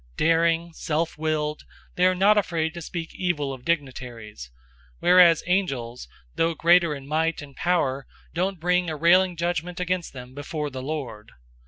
Daring, self willed, they are not afraid to speak evil of dignitaries; 002:011 whereas angels, though greater in might and power, don't bring a railing judgment against them before the Lord.